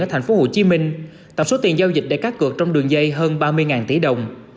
ở tp hcm tổng số tiền giao dịch để cắt cược trong đường dây hơn ba mươi tỷ đồng